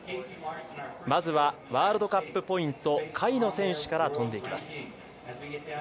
まずはワールドカップポイント下位の選手から飛んでいきます。